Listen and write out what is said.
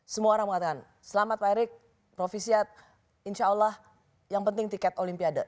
semua orang mengatakan selamat pak erik rofi siap insya allah yang penting tiket olimpiade